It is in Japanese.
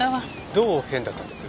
どう変だったんです？